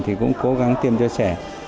thì cũng cố gắng tiêm cho trẻ